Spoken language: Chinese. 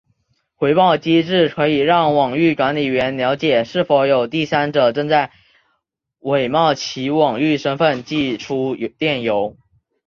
回报机制可以让网域管理员了解是否有第三者正在伪冒其网域身份寄出电邮。